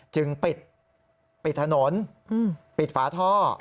จึงปิดถนนปิดฝาท่อ